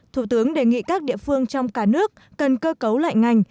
thủ tướng đề nghị các địa phương trong cả nước cần cơ cấu lại ngành